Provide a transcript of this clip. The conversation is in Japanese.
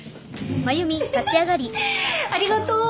ありがとう。